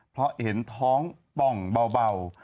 เพราะเห็นท้องป่องเบา